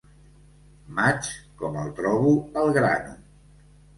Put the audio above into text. Maig, com el trobo, el grano.